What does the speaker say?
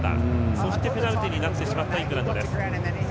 そしてペナルティになってしまったイングランドです。